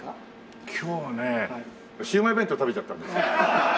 今日ねシューマイ弁当食べちゃったんですよ。